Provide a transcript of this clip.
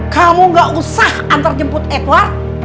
kamu gak usah antar jemput ekor